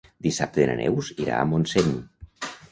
Dissabte na Neus irà a Montseny.